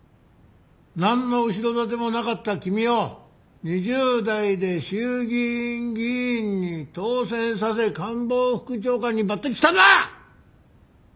何の後ろ盾もなかった君を２０代で衆議院議員に当選させ官房副長官に抜てきしたのは！